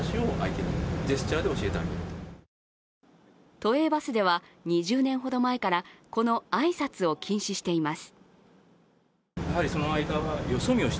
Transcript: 都営バスでは２０年ほど前からこの挨拶を禁止しています。